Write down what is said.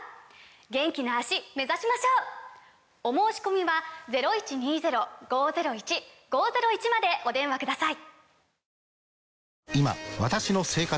元気な脚目指しましょう！お申込みはお電話ください